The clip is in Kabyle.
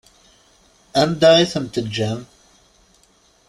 Anda i ten-teǧǧam?